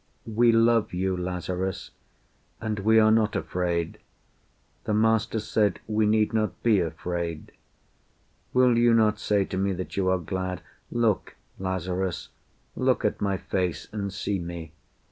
"We love you, Lazarus, And we are not afraid. The Master said We need not be afraid. Will you not say To me that you are glad? Look, Lazarus! Look at my face, and see me.